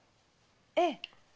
ええ。